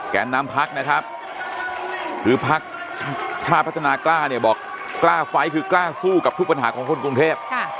น้ำพักนะครับคือพักชาติพัฒนากล้าเนี่ยบอกกล้าไฟล์คือกล้าสู้กับทุกปัญหาของคนกรุงเทพ